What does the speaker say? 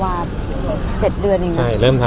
ภาษาสนิทยาลัยสุดท้าย